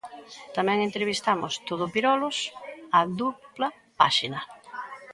Tamén entrevistamos 'Todopirolos' a dupla páxina.